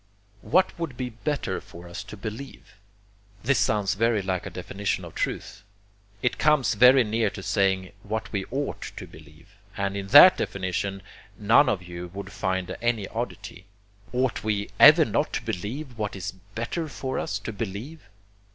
'What would be better for us to believe'! This sounds very like a definition of truth. It comes very near to saying 'what we OUGHT to believe': and in THAT definition none of you would find any oddity. Ought we ever not to believe what it is BETTER FOR US to believe?